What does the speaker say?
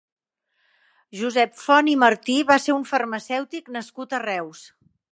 Josep Font i Martí va ser un farmacèutic nascut a Reus.